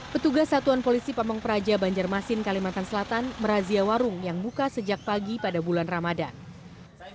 petugas satuan polisi pamung praja banjarmasin kalimantan selatan merazia warung yang buka sejak pagi pada bulan ramadan